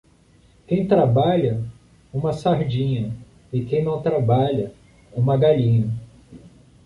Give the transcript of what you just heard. Quem trabalha, uma sardinha; e quem não trabalha, uma galinha.